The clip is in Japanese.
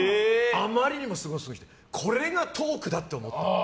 あまりにすごすぎてこれがトークだと思った。